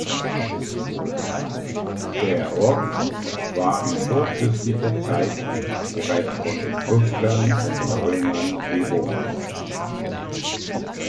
Der Ort war in vorchristlicher Zeit bereits von Etruskern und Römern bewohnt.